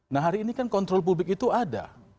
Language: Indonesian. nah hari ini kan kontrol publik itu ada